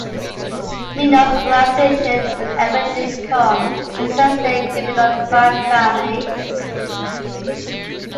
Mineo's organization would eventually become the present-day Gambino crime family.